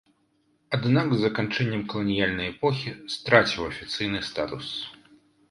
Аднак з заканчэннем каланіяльнай эпохі страціў афіцыйны статус.